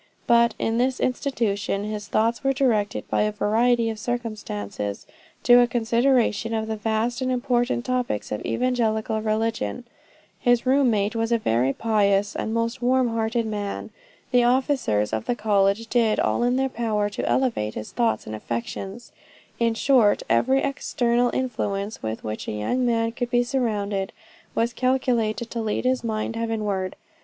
"But in this institution his thoughts were directed by a variety of circumstances, to a consideration of the vast and important topics of evangelical religion. His room mate was a very pious and most warm hearted man. The officers of the college did all in their power to elevate his thoughts and affections. In short, every external influence with which a young man could be surrounded, was calculated to lead his mind heavenward.